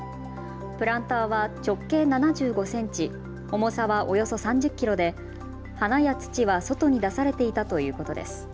プランターは直径７５センチ、重さはおよそ３０キロで花や土は外に出されていたということです。